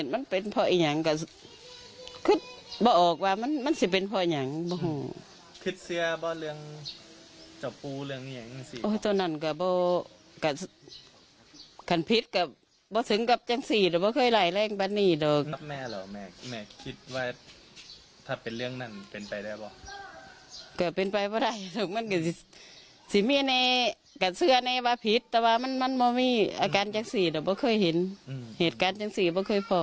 แม่คิดว่าถ้าเป็นเรื่องนั้นเป็นไปได้ไหม